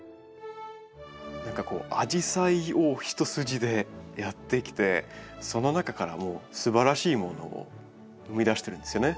何かこうアジサイを一筋でやってきてその中からすばらしいものを生み出してるんですよね。